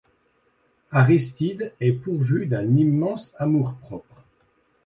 Aristide est pourvu d’un immense amour-propre.